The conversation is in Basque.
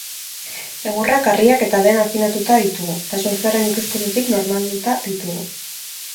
Egurrak, harriak eta dena afinatuta ditugu, eta solfeoaren ikuspuntutik normalduta ditugu.